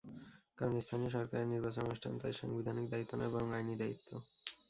কারণ, স্থানীয় সরকারের নির্বাচন অনুষ্ঠান তাদের সাংবিধানিক দায়িত্ব নয়, বরং আইনি দায়িত্ব।